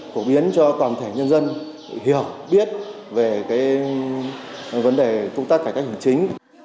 cổ biến cho toàn thể nhân dân hiểu biết về cái vấn đề công tác cải cách hành chính